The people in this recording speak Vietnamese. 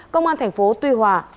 công an tp tuy hòa